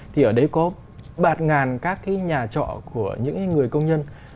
thì ở đấy có bạt ngàn các cái nhà trọ của những người công nhân